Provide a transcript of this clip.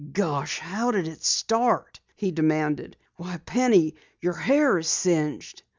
"Gosh, how did it start?" he demanded. "Why, Penny, your hair is singed!"